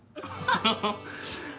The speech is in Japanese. ハハハッ！